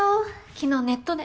昨日ネットで。